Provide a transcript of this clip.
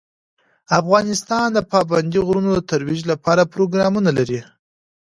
افغانستان د پابندی غرونه د ترویج لپاره پروګرامونه لري.